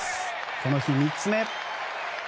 この日、３つ目。